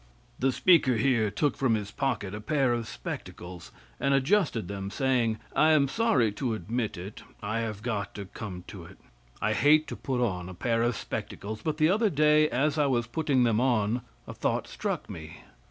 The speaker here took from his pocket a pair of spectacles, and adjusted them, saying: I am sorry to admit it; I have got to come to it. I hate to put on a pair of spectacles, but the other day, as I was putting them on, a thought struck me.